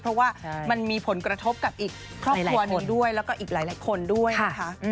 เพราะว่ามันมีผลกระทบกับอีกครอบครัวหนึ่งด้วยแล้วก็อีกหลายคนด้วยนะคะ